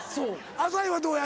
朝日はどうや？